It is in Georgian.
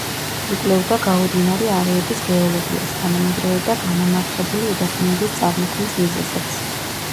იკვლევდა გაუდინარი არეების გეოლოგიას, თანამედროვე და განამარხებული უდაბნოების წარმოქმნის მიზეზებს.